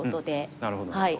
なるほど。